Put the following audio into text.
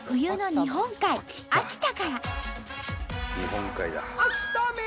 日本海だ。